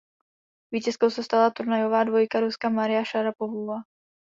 Vítězkou se stala turnajová dvojka Ruska Maria Šarapovová.